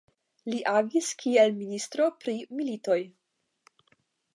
Li agis kiel ministro pri militoj.